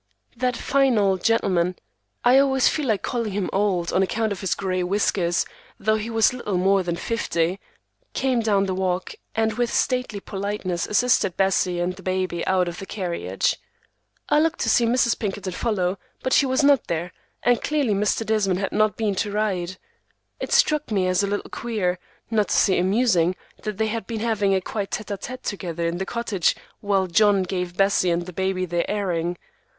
That fine old gentleman—I always feel like calling him old on account of his gray whiskers, though he was little more than fifty—came down the walk and with stately politeness assisted Bessie and the baby out of the carriage. I looked to see Mrs. Pinkerton follow, but she was not there, and clearly Mr. Desmond had not been to ride. It struck me as a little queer, not to say amusing, that they had been having a quiet tête à tête together in the cottage while John gave Bessie and the baby their airing.